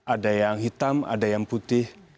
ada yang hitam ada yang putih